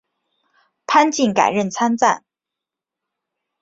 潘靖改任参赞。